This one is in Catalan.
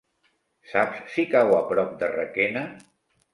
Saps si cau a prop de Requena?